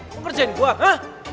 kok ngerjain gua ha